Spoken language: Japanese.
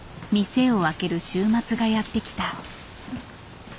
店を開ける週末がやってきた。